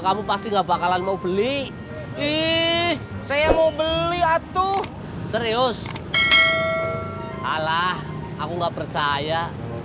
kamu pasti gak bakalan mau beli ih saya mau beli atu serius kalah aku nggak percaya